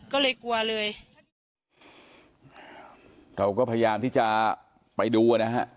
ก็เลยกลัวเลยเราก็พยายามที่จะไปดูอ่ะนะฮะ